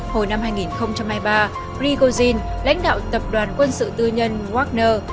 hồi năm hai nghìn hai mươi ba rigozhin lãnh đạo tập đoàn quân sự tư nhân wagner